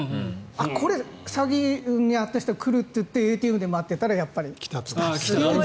これ、詐欺に遭っている人が来るというのでＡＴＭで待っていたらやっぱり来た。